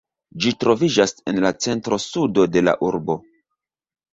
Ĝi troviĝas en la centro-sudo de la urbo.